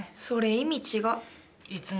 それ意味違う。